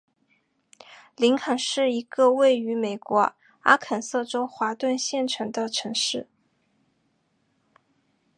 林肯是一个位于美国阿肯色州华盛顿县的城市。